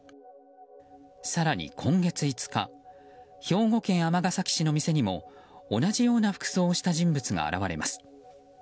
更に、今月５日兵庫県尼崎市の店にも同じような服装をした人物が現れます。